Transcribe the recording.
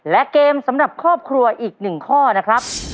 และเกมสำหรับครอบครัวอีก๑ข้อนะครับ